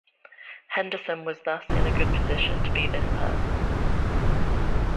Henderson was thus in a good position to be this person.